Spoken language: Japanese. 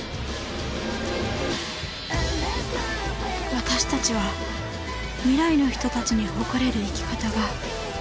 私たちは未来の人たちに誇れる生き方ができるだろうか。